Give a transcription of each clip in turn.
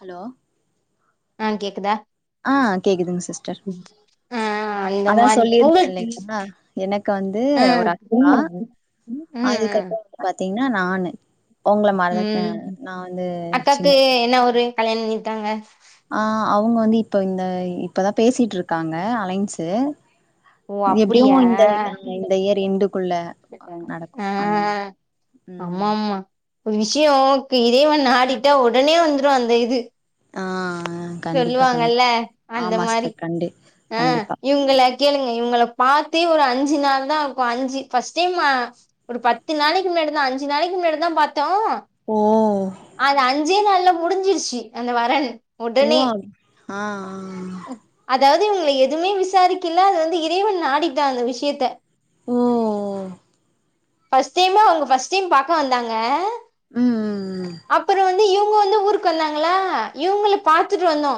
Hello ஆ கேக்குதா ஆ கேக்குதுங் சிஸ்டர் ஆ ம் அந்த அத்தா மாரி சொல்லியிருந்தே உங்களுக்கு இல்லைங்ளா எனக்கு வந்து ஆ ஒரு அக்கா ம் அதுக்கப்றோ வந்து பாத்தீங்கன்னா நானு உங்கள மாறிதாக்கா ம் நா வந்து அக்காக்கு சின்னவ என்ன ஊரு கல்யாணம் பண்ணிட்டாங்க ஆ அவுங்க வந்து இப்ப இந்த இப்பதா பேசிட்டு இருக்காங்க அலைன்ஸ்சு ஓ எப்டியு அப்டியா இந்த அ இந்த இயர் எண்டுக்குள்ள நடக்கு ஆ அந்த மாறி ஆமா ஆமா ஒரு விஷ்யோ இப்ப இறைவன் ஆடிட்டா உடனே வந்துரும் அந்த இது ஆ கண்டிப்பா சொல்லுவாங்கல்ல கண்டிப் ஆமா சிஸ்டர் கண்டி கண்டிப்பா இவுங்கள கேளுங்க இவுங்கள பாத்தே ஒரு அஞ்சு நாள் தா இக்கும் அஞ்சு ஃபர்ஸ்ட் டைம் ஆ ஒரு பத்து நாளைக்கு முன்னாடி தா அஞ்சு நாளைக்கு முன்னாடி தா பாத் தோ ஓ அது அஞ்சே நாள்ல முடிஞ்சிருச்சு அந்த வரன் ஓ உடனே அப் ஆ ஆ ஆ அதாவது இவுங்கள எதுமே விசாரிக்கில்ல அது வந்து இறைவன் ஆடிட்டா அந்த விஷயத்த ஓ ஃபர்ஸ்ட் டைமா அவுங்க ஃபஸ்ட் டைம் பாக்க வந்தாங்க ம் ம் ம். அப்புற வந் து இவுங்க வந்து ஊருக்கு வந்தாங்களா இவுங்கள பாத்துட்டு வந்தோ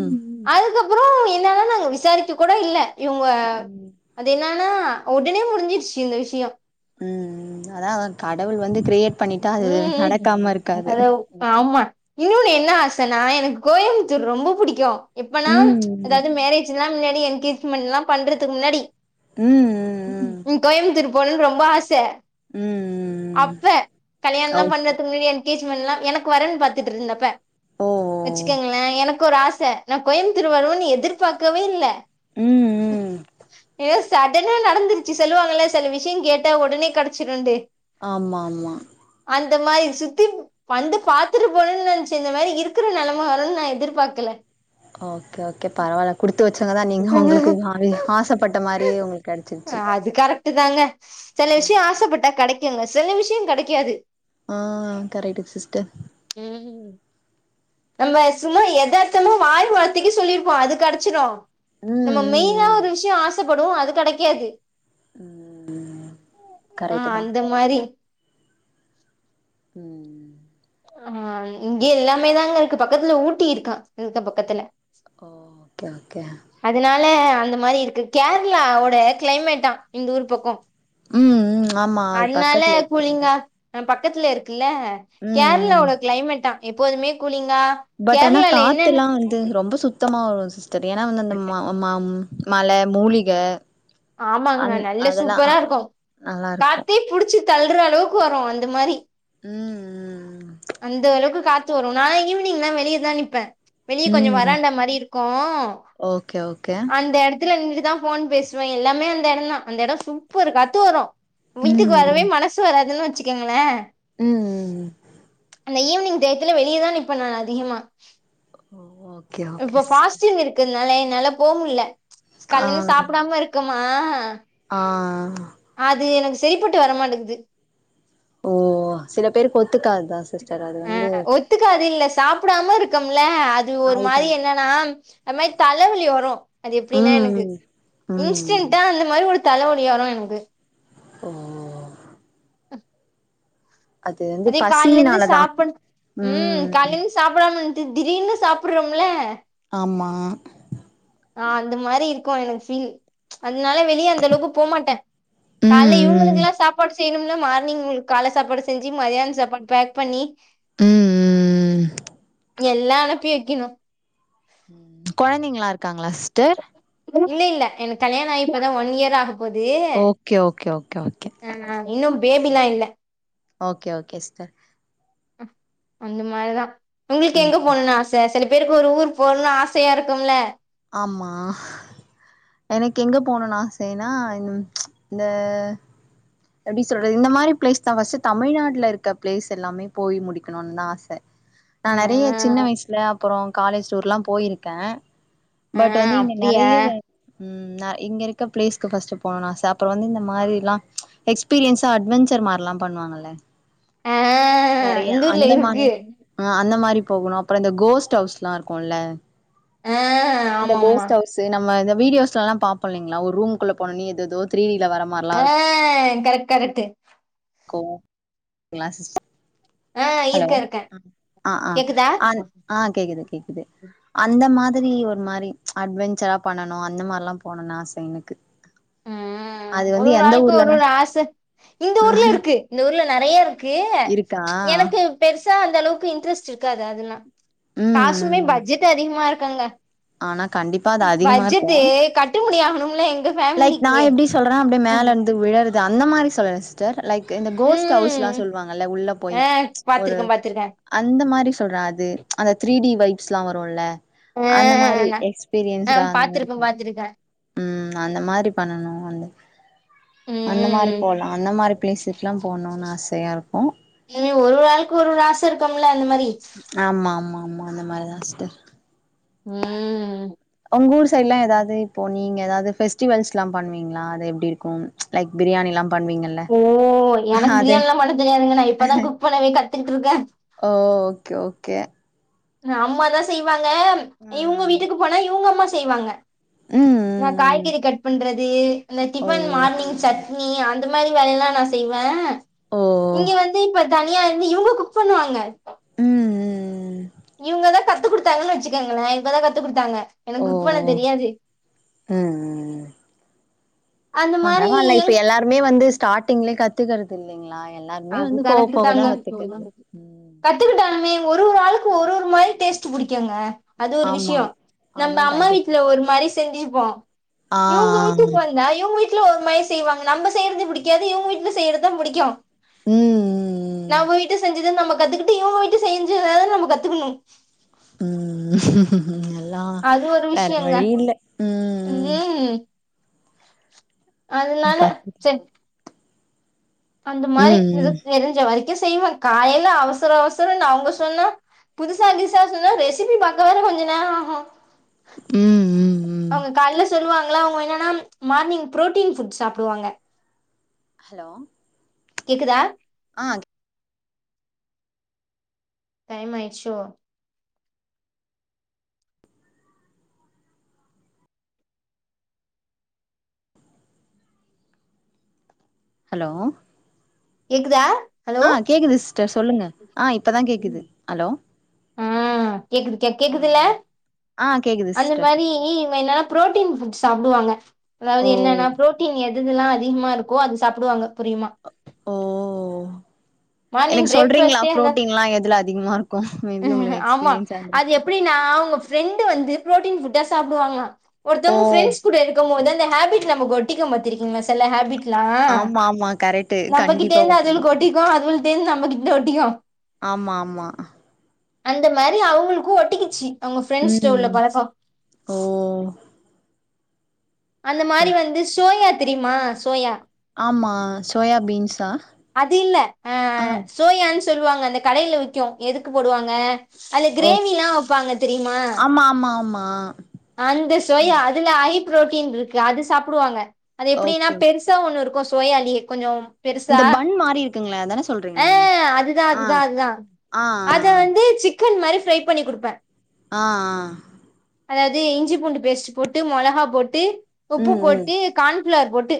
ம் ம் அதுக்கப்புறம் என்னன்னா நாங்க விசாரிக்க கூட இல்ல இவுங்க ம் அது என்னன்னா உடனே முடிஞ்சிருச்சு இந்த விஷயோ ம் ம் அதா கடவுள் வந்து கிரியேட் பண்ணிட்டா அது உம் நடக்காம இருக்காது அத ஆமா இன்னொன்னு என்ன ஆசைன்னா எனக்கு கோயம்புத்தூர் ரொம்ப புடிக்கு எப்பனா ம் ம் அதாவது மேரேஜ் எல்லா மின்னாடி என்கேஜ்மெண்ட் எல்லா பண்றதுக்கு முன்னாடி ம் ம் கோயம்புத்தூர் போணுன்னு ரொம்ப ஆசை ம் ம் அப்ப கல்யாணல்லா ஓகே பண்றதுக்கு முன்னாடி என்கேஜ்மெண்ட்லா எனக்கு வரன் பாத்துட்டு இருந்தப்ப ஓ வச்சுக்கங்களே எனக்கு ஒரு ஆசை நா கோயம்புத்தூர் வருவன்னு எதிர்பாக்கவே இல்ல ம் ம் எஸ் சடனா நடந்துருச்சு சொல்லுவாங்கள சில விஷயம் கேட்டா உடனே கெடச்சிருண்டு ஆமா ஆமா அந்த மாறி சுத்திப் வந்து பாத்துட்டு போணுனு நெனைச்சே இந்த மாறி இருக்கிற நெலம வருனு நா எதிர்பாக்கல ஓகே ஓகே பரவால்ல குடுத்து வச்சவங்க தா நீங்க உங்களுக்கு ஆசைப்பட்ட மாறியே உங்களுக்கு கெடைச்சிருச்சி அது கரெக்ட் தாங்க செல விஷயம் ஆசைப்பட்டா கெடைக்குங்க சில விஷய கெடைக்காது ஆ கரக்டு சிஸ்டர் ம் நம்ம சும்மா எதார்த்தமா வாய் வார்த்தைக்கு சொல்லிருப்போ அது கெடச்சிடு ம் நம்ம மெயினா ம் ஒரு விஷயம் ஆசைப்படுவோ அது கெடைக்காது ம் ம் ஆ கரெக்ட்டு தா அந்த மாறி ம் ஆ இங்கே எல்லாமே தாங்க இருக்கு பக்கத்துல ஊட்டி இருக்கா இந்தபக்கத்துல ஓ ஓகே ஓகே அதனால அந்த மாறி இருக்கு கேரளாவோட கிளைமேட்டா இந்த ஊர் பக்கோ ம் ம் ஆமா அது அதனால பக்கத்துல இருக்குங்க கூலிங்கா பக்கத்துல இருக்குல்ல ம் ம் கேரளாவோட கிளைமேட்டா எப்போதுமே கூலிங்கா பட் ஆனா கேரளால என்னென்ன காத்தெல்லா வந்து ரொம்ப சுத்தமா வரும் சிஸ்டர் ஏன்னா வந்து அந்த மா மா மா மல மூலிக ஆமாங்க அந் நல்ல அதெல்லா சூப்பரா இருக்கு நல்லாருக்கு காத்தே புடிச்சி தள்ற அளவுக்கு வரு அந்த மாறி ம் அந்த அளவுக்கு காத்து வரு நா ஈவினிங்லா வெளியேதா நிப்பே வெளியே ம் கொஞ்சோ ம் ம். வராண்ட மாறி இருக்கு ஓகே ஓகே அந்த எடத்துல நின்ட்டுதா ஃபோன் பேஸ் சுவே எல்லாமே அந்த எடம் தா அந்த எசோ சூப்பர் காத்து வரு வீட்டுக்கு வரவே மன சு வராதுனு வச்சுக்கோங்களே ம் ம் ம் அந்த ஈவினிங் டயத்துல வெளியதா நிப்பே நானு அதிகமா ஓ ஓகே ஓகே சிஸ் சின்னு இருக்குனால என்னால போ முல்ல ஆ கால்ருந்து சாப்புடாம இருக்கமா ஆ அது எனக்கு செரிப்பட்டு வரமாட்டக்குது ஓ சில பேருக்கு ஒத்துக்காது தா சிஸ்டர் அது ஆ வந்து ஒத்துக்காது இல்ல சிஸ் சாப்புடாம இருக்கம்ல அது ஒரு அதுதா மாறி என்ன நா அது மாறி தலவலி வரு அது எப்டின்னா எனக்கு ம் ம் ம் இன்ஸ்டென்டா அந்த மாறி ஒரு தலவலி வரு எனக்கு ஓ அது வந்து அதே கால்லேந்த பசினாலதா சாப்புட் ம் காலேந்து சாப்டாம இருந்துட்டு‌ திடீர்னு சாப்பிட்றோம்ல ஆமா ஆ அந்த மாறி இருக்கு எனக்கு பீல் அதனால வெளியே அந்த அளவுக்கு போ மாட்ட ம் கால்ல ம் இவங்களுக்கெல்லா சாப்பாடு செய்யணும்ல மார்னிங் இங்களுக்கு கால்ல சாம்பாடு செஞ்சு மதியான சாப்பாடு பேக் பண்ணி ம் ம் ம் எல்லா அனுப்பி வெக்கணு கொழந்தைங்களா இருக்காங்களா சிஸ்டர் இல்ல இல்ல எனக்கு கல்யாண ஆகி இப்பதா ஒன் இயர் ஆக போது ஓகே ஓகே ஓகே ஓகே ஆ இன்னு பேபிலா இல்ல ஓகே ஓகே சிஸ்டர் அந்த மாரிதா உங்களுக்கு ம் எங்க போனுன்னு ஆ ச சில பேருக்கு ஒரு ஊர் போணுன்னு ஆசையா இருக்கும்ல ஆமா எனக்கு எங்க போணுன்னு ஆசைன்னா இந்த எப்டி சொல்றது இந்த மாரி பிளேஸ் தா ஃபஸ்ட் தமிழ்நாட்டுல இருக்க பிளேஸ் எல்லாம போய முடிக்கணுன் தா ஆச நா ஆ நெறைய சின்ன வயசுல அப்றோ காலேஜ் டூர்ல்லா போயிருக்கே ஆ பட் வந்து இங்க அப்டியா நெறைய ம் நெ இங்க இருக்க பிளேஸ்க்கு ஃபஸ்ட் போணுன்னு ஆச அப்றோ வந்து இந்த மாரிலா எக்ஸ்பீரியன்ஸா அட்வெஞ்சர் மாரிலா பண்ணுவாங்க ஆ நெறைய இந்த ஊர்ல அந்த மாரி இருக்கு ஆ அந்த மாதிரி போகணு அப்றோ இந்த கோஸ்ட் ஹவுஸ்லா இருக்குல்ல ஆ இந்த ஆமா ஆமா கோஸ்ட்ஹவுஸ் நம்ம இந்த வீடியோஸ்ல எல்லா பாப்போ இல்லிங்களா ஒரு ரூம்க்குள்ள போனோன்னே ஏதோதோ த்ரீடில வர மாறி ஆ கரெட் கரெட்டு [unintelligible] ஆ ஹலோ இருக்கே இருக்கே ஆ கேக்குதா ஆ ஆ கேக்குது கேக்குது அந்த மாதிரி ஒரு மாரி அட்வெஞ்சரா பண்ணனு அந்த மாரிலா போனுன்னு ஆச எனக்கு ம் அது வந்து ஒரெரு எந்த ஆளுக்கு ஒரு ஊர்லனா ஒரு ஆச இந்த ஊர்ல இருக்கு இந்த ஊர்ல நெறைய இருக்கு இருக்கா எனக்கு பெருசா அந்த அளவுக்கு இன்ட்ரெஸ்ட் இருக்காது அதுல்லா ம் காசுமே ம் பட்ஜெட் அதிகமா இருக்குங்க ஆனா கண்டிப்பா அது அதிகமா இருக்கு பட்ஜெட்டு கட்டுபடி ஆகணும்ல எங்க லைக் நா ஃபேமிலிக்கு எப்டி சொல்றேன்னா அப்டியே ம் மேல இருந்து விழறது அந்த மாரி சொல்றே லைக் இந்த கோஸ்ட் ஹவுஸ்ல்லா சொல்லுவாங்கல்ல உள்ள போய் ஆ ஒரு பாத்திருக்கே பாத்திருக்கே அந்த மாரி சொல்றா அது அந்த த்ரீ டி வைப்ஸ்ல்லா வருல்ல அந்த மாரி ஆ ஆ எக்ஸ்பீரியன்ஸ்டா அந்த மாரி பாத்திருக்கே பாத்திருக்கே ம் அந்த மாரி பண்ணணு அந்த அந்த மாரி ம் போலா அந்த மாரி பிளேஸுக்லா போணுன் ஆசையா இருக்கு ஒரு ஆளுக்கு ஒரு ஒரு ஆச இருக்கும்ல அந்த மாரி ஆமா ஆமா ஆமா அந்த மாரி தா சிஸ்டர் ம் உங்க ஊர் சைட்லா ஏதாவது இப்போ நீங்க ஏதாவது பெஸ்டிவல்ஸ்லா பண்ணுவீங்ளா அது எப்டி இருக்கு லைக் பிரியாணிலா பண்வீங்கல் ஓ எனக்கு பிரியாணிலா பண்ண தெரியாதுங்க நா இப்பதா குக் பண்ணவே கத்துட்ருக்க ஓகே ஓகே அம்மாதா செய்வாங்க இவுங்க ம் வீட்டுக்கு போனா இவுங்க அம்மா செய்வாங்க ம் நா ம் ம். காய்கறி கட் பண்றது இந்த ஓ டிபன் மார்னிங் செ நீ அந்த மாரி வேலையெல்லா நா செய்வே ஓ இங்க வந் து இப்ப தனியா இருந்து இவுங்க குக் பண்ணுவாங்க ம் ம் இவுங்கதா கத்து குடுத்தாங்கன் வச்சுக்கோங்களே இவதா கத்து குடுத்தாங்க எனக்கு ஓ குக் பண்ண தெரியாது ம் அந்த மாரி பரவால இப்ப எங் எல்லாருமே வந்து ஸ்டாடிங்ல கத் கத்துக்கறது இல்லைங்ளா எல்லாருமே அது வந்து போக போக தா கத்துக்கற்து கத்துக் கிட்டாலுமே ஒரு ஒரு ஆளுக்கு ஒரு ஒரு மாரி டேஸ்ட் புடிக்குங்க அது ஒரு ஆமா விஷ்யோ நம்ம அதுவு அம்மா கண்டிப்பா வீட்ல ஒரு மாரி செஞ்சிர்ப்போ ஆ இவுங்க ஆ ம் வீட்டுக் வந் தா இவுங்க வீட்ல ஒரு மாரி செய்வாங்க நம்ம செய்யறத பிடிக்காது இவுங்க வீட்ல செய்யறதா புடிக்கு ம் நா ம் போயிட்டு செஞ்சத நம்ம கத்துக்கிட்டு இவுங்க விட்டு செஞ்சி வேற நம்ம கத்துக்கனு ம் எல்லா அது ஒரு வேற விஷயங்க வழி இல்ல ம் ம் ம் அதனால சேர் அந்த மாரி இது ம் தெரிஞ்ச வரைக்கு செய்வே காலைல அவசர அவசரன் அவுங்க சொன்னா புதுசா கிதுசா சொன்னா ரெசிபி பாக்க வேற கொஞ்ச நேரோ ஆகு ம் ம் ம் அவுங்க கால்ல சொல்லுவாங் களா அவுங்க என்னனா மார்னிங் புரோட்டீன் ஃபுட் சாப்டுவாங்க ஹலோ கேக்குதா ஆ டைம் ஆயிட்ச்சோ ஹலோ கேக்குதா ஹலோ ஆ கேக்குது சிஸ்டர் சொல்லுங்க ஆ இப்பதா கேக்குது ஹலோ ஆ கேக்குது கே ஆ கேக்குதுல ஆ கேக்குது அந்த சிஸ்டர் மாரி இவுங்க என்ன ப்ரோட்டீன் புட் சாப்டுவாங்க அதாவது ஓ என்னனா புரோட்டீன் எது எதெல்லா அதிகமா இருக்கோ அது சாப்டுவாங்க புரியுமா ஓ மார்னிங் எனக்கு சொல்றீங்ளா பிரேக்ஃபாஸ்ட்டே அந்த புரோட்டீன்லா எதுல அதிகமா கு மேபி உங்களுக்கு எக்ஸ்பீரியன்ஸ் சாந்துரு அப்டினா அவுங்க ஃப்ரெண்டு் வந்து ப்ரோட்டீன் ஃபுட்டா சாப்புடுவாங்ளா ஓ ஒருத்தவங்க ஃப்ரெண்ட்ஸ் கூட இருக்கு போது அந்த ஹபிட் நமக்கு ஒட்டிக்கு பாத்திருக்கீங்ளா செல ஹேபிட் ளா ஆமா ஆமா கரெக்ட்டு நம்ம கிட்ட கண்டிப்பா இருந்து அதுகளுக்கு ஒட்டிக்கு அதுவுள்ட்டந்து நம்மகிட்ட ஒட்டிக்கு ஆமா ஆமா அந்த மாரி அவுங்களுக்கு ஒட்டிச்சி கிச்சி அவுங்க ஃப்ரெண்ட்ஸ்ட்ட உள்ள ம் பழக்கோ ஓ அந்த மாரி வந்து சோயா தெரியுமா சோயா ஆமா சோயா பீன்ஸா ஆ சோயான் சொல்வாங்க அந்த கடைல விக்கு எதுக்கு போடுவாங்க அதுல கிரேவிலா வப்பாங்க தெரிமா மா ஆமா ஆமா அந்த சோயா ம் அதுல ஹை புரோட்டீன் இருக்கு அது சாப்டுவாங்க அது எப்டினா ஓகே ஓகே பெருஸ் சா ஒன்னு இருக்கு சோயாலே கொஞ்சோ பெருசா இந்த பன் மாரி இருக்குங்களே அதான சொல்றீங்க ஆ நீங்க அதுதா ஆ அதுதா அதுதா ஆ ஆ அத வந்து சிக்கன் மாரி ஃரை பண்ணி குடுப்ப ஆ ஆ அதாது இஞ்சி பூண்டு பேஸ்ட்டு போட்டு மொளகா போட்டு உப்பு ம் ம் போட்டு கான்ஃப்ளார் போட்டு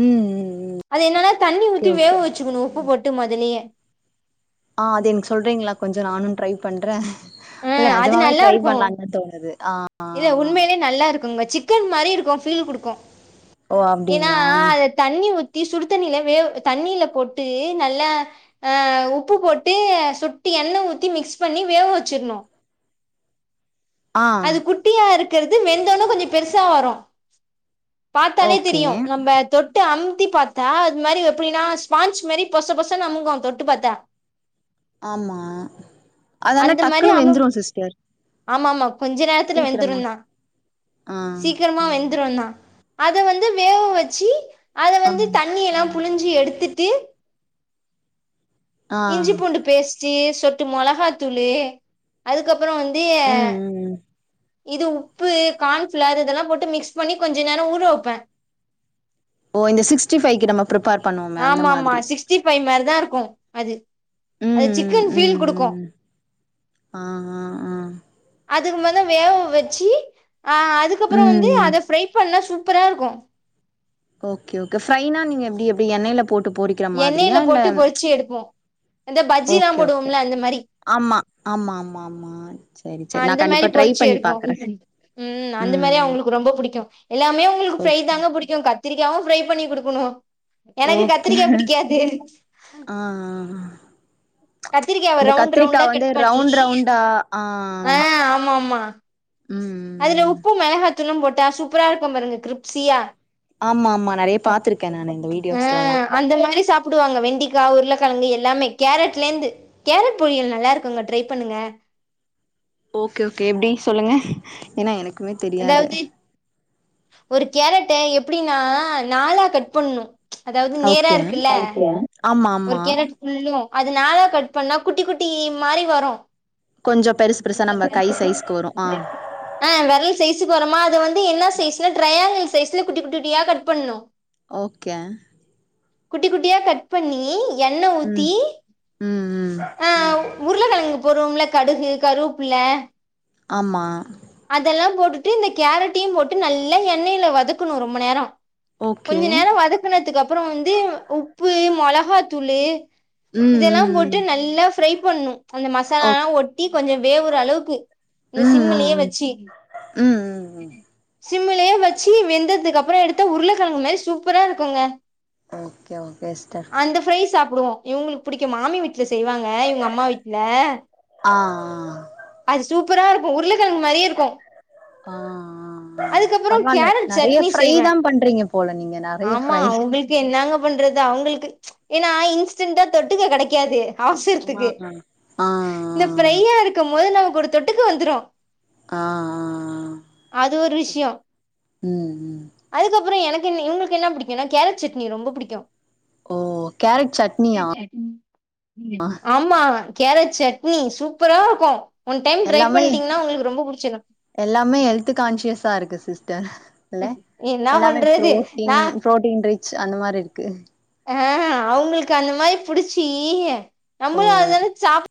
ம் ம் ம் அது என்னனா தண்ணி ஓகே ஊத்தி வேக ஓகே வச்சுக்குணு உப்பு போட்டு மொதலியே ஆ அது என்க் சொல்றீங்ளா கொஞ்சோ நானு ட்ரை பண்ற ஆ இல்ல நெஜமாவே ட்ரை பண்லான்தா தோணுது ஆ ஆ இது ஆ உண்மைலே நல்லா இருக்குங்க சிக்கன் மாரி இருக்கு ஃபீல் குடுக்கு ஓ ஏனா அப்டிங்களா அது தண்ணி ஊத்தி சுடு தண்ணில வேவ் தண்ணில போட்டு நல்லா ஆ உப்பு போட்டு சொட்டு எண்ண ஊத்தி மிக்ஸ் பண்ணி வேக வச்சிர்ணு ஆ அது குட்டியா இருக்கற்து வெந்தோண கொஞ்சோ பெருசா வரு பாத்தாலே ஓகே தெரியு நம்ம தொ ட்டு அம்த்தி பாத்தா அது மாரி எப்டினா ஸ்பான்ச்சு மாரி பொச பொசன் அமுங்கு தொட்டு பாத்தா ஆமா அது ஆனா டக்குனு வெந்துரு சிஸ்டர் ஆமா ஆமா கொஞ்ச நேரத்துல சீக்கிரமா வெந்துருந்தா ஆ சீக்கரமா வெந்துருந்தா அத வந்து வேகு வச்சு அத அம் வந்து தண்ணி எல்லா புழிஞ்சி எடுத்துட்டு இஞ்சி ஆ பூண்டு பேஸ் ச்சு சொட்டு மொளகாத்தூளு அதுக்கப்புறோ வந்து ம் ம் ம் இது உப்பு கான்ஃபிளார் இதெல்லா போட்டு மிக்ஸ் பண்ணி கொஞ்சு நேரோ ஊற வப்ப ஓ இந்த சிக்ஸ்டி ஃபைக்கு நம்ம பிரிப்பர் பண்ணுவும அந்த மாதிரி சிக்ஸ்ட்டி ஃபை மாரிதா இருக்கு அது அது ம் ம் சிக்கன் ஃபீல் ம் குடுக்கு ம் ஆ ஆ ஆ அதுக்கு மொதல வேக வச்சு ஆ அதுக்கப்புறோ வந்து ம் அத ஃப்ரை பண்ணா சூப்பரா இருக்கு ஓகே ஓகே ஃப்ரைனா நீங்க எப்டி எப்டி எண்ணெய்ல போட்டு பொறி எண்ணெய்ல போட்டு பொறிச்சு எடுப்போ இந்த பஜ்ஜிலா ஓகே ஓகே போடுவோம்ல அந்த மாரி ஆமா ஆமா ஆமா ஆமா சரி ஆ சரி நான் அந்த கண்டிப்பா மாரி ட்ரை பொறிச்சு பண்ணி எடுப்போ பாக்குறே ம் அந்த மாரி அவுங்குளுக்கு ரொம்ப புடிக்கு எல்லாமே அவுங்குளுக்கு ஃப்ரை ஓகே தாங்க ஓகே புடிக்கு கத் த்திரிக்காவு ஃப்ரை பண்ணி குடுக்குணு எனக்கு ஓகே கத்திரிக்கா புடிக்காது ஆ ஆ ஆ கத்திருக்காவ இந்த ரவுண்ட் கத்திரிக்கா ரவுண்டா வந்து கட் பண்ணி ரவுண்ட் ரவுண்டா ஆ ஆ ம் ஆமாம்மா ம் அதுல ம் உப்பூ மெளகாத்தூளு போட்டா சூப்பரா இருக்கு பாருங்க கிரிப்சியா ஆமா ஆமா நெறைய பாத்திருக்கே நானு இந்த வீடியோஸ்லல்லா ஆ மாரி சாப் புடுவாங்க வெண்டிக்கா உருளக்கழங்கு எல்லாமே கேரட்லேந்து கேரட் பொறியல் நல்லா இருக்குங்க ட்ரை பண்ணுங்க ஓகே ஓகே எப்டி சொல்லுங்க ஏனா எனக்குமே தெரியாது அதாவது ஒரு கேரட்டா எப்டின்னா நாலா கட் பண்ணணு அதாவ்து நேரா ஓகே இருக்குல்ல ஆமா ஒரு ஆமா கேரட் புல்லு அது நாலா கட் பண்ணா குட்டி குட்டி மாரி வரு கொஞ்சோ பெருசு பெருசா நம்ம கை சைஸ்க்கு வரு ஆ ஆ வெரல் சைசுக்கு வருமா அது வந்து என்ன சைஸ்ல டிரையாங்கிள் சைஸ்ல குட்டி குட்டி குட்டியா கட் பண்ணணு ஓகே குட்டி குட்டியா கட் பண்ணி எண்ண ஊத்தி ம் ம் ம் ஆ உருளக்கெழங்கு போடுவோம்ல கடுகு கருப்புள்ள ஆமா அதெல்லா போட்டுட்டு இந்த கேரட்டையு போட்டு நல்லா எண்ணெயில வதக்கணு ரொம்ப நேரோ ஓகே கொஞ்ச நேர வதக்குனதுக்கு அப்றோ வந்து உப்பு மொளகாத்தூளு ம் இதெல்லா ம் போட்டு ம் நல்லா ஃப்ரை பண்ணு அந்த மசால ஓ எல்லா ஒட்டி கொஞ்ச வேவுற அளவுக்கு இந்த ம் ம் சிம்மிலயே ம் வெச் ம் ம் சிம்மிலையே வெச்சு வெந்ததுக்கு அப்றோ எடுத்தா உருளக்கெழங்கு மாரி சூப்பரா இருக்குங்க ஓகே ஓகே சிஸ்டர் அந்த ஃப்ரை சாப்பிடுவோ இவங்களுக்கு பிடிக்கு மாமி வீட்ல செய்வாங்க இவங்க அம்மா வீட்ல ஆ ஆ அது சூப்பரா இருக்கு உருளக்கெங்கு மாரியே இருக்கு ஆ ஆ ஆ அதுக்கப்புறோ பரவாயில்ல கேரட் நெறையா சட்னி ஃப்ரை செய்வ தா பண்றீங்க போல நீங்க நெறைய ஃப்ரை என்னாங்க பண்றது அவங்களுக்கு ஏன்னா இன்ஸ்டென்ட்டா தொட்டுக்க கெடைக்காது ஆ அவசரத்துக்கு ஆ ஆ ஆ இந்த பிரையா இருக்கம் போது நமக்கு ஒரு தொட்டுக்கு வந்துரு ஆ ஆ அது ஒரு விஷயோ ம் ம் அதுக்கப்றோ எனக்கு என்ன இவங்களுக்கு என்ன பிடிக்குன்னா கேரட் சட்னி ரொம்ப பிடிக்கு ஓ கேரட் சட்னியா ஆமா கேரட் சட்னி சூப்பரா இருக்கு ஒன் டைம் ட்ரை எல்லாமே பண்ணிட்டீங்கன்னா உங்களுக்கு ரொம்ப பிடிச்சிடு எல்லாமே ஹெல்த் கான்சியஸ்ஸா இருக்கு சிஸ்டர் இல்ல என்னா எல்லாமே பண்றது நா புரோட்டீன் புரோட்டீன் ரிச் அந்த மாரி இருக்கு ஆ அவுங்களுக்கு அந்த மாரி புடிச்சி நம்மளு ஓ அதான சாப்